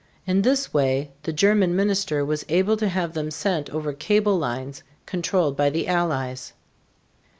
In this way the German minister was able to have them sent over cable lines controlled by the Allies.